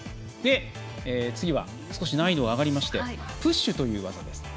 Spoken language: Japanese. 次は、少し難易度が上がりましてプッシュという技です。